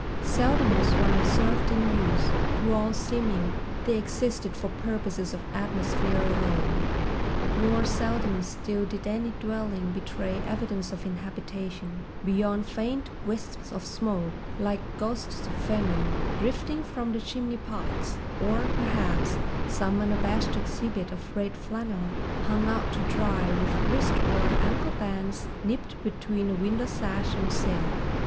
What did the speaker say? Seldom was one observed in use: to all seeming they existed for purposes of atmosphere alone. More seldom still did any dwelling betray evidence of inhabitation beyond faint wisps of smoke, like ghosts of famine, drifting from the chimneypots, or—perhaps—some unabashed exhibit of red flannel hung out to dry with wrist or ankle bands nipped between a window sash and sill.